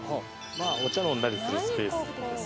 まあお茶飲んだりするスペースです。